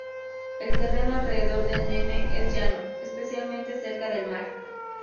El terreno alrededor del Nene es llano, especialmente cerca del mar.